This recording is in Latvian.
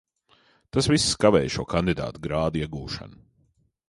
Tas viss kavēja šo kandidāta grādu iegūšanu.